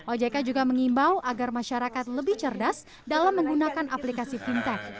ojk juga mengimbau agar masyarakat lebih cerdas dalam menggunakan aplikasi fintech